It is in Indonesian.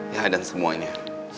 ya dan semuanya